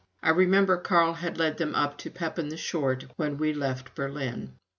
I remember Carl had led them up to Pepin the Short when we left Berlin.